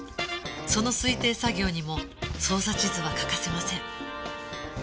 その推定作業にも捜査地図は欠かせません